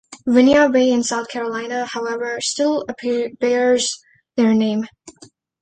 Winyah Bay in South Carolina, however, still bears their name.